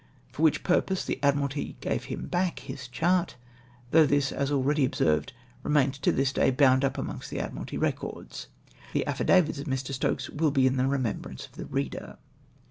for which purpose the Admiralty gave him back his chart, though this, as already observed, remains to this day bound up among st the Admiraltv records. The affidavits of ]VIi\ Stokes will be in the remembrance of the reader.